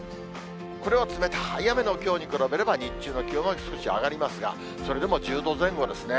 これは冷たい雨のきょうに比べれば、日中の気温は少し上がりますが、それでも１０度前後ですね。